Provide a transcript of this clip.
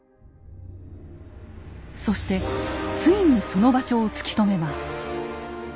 そしてついにその場所を突き止めます。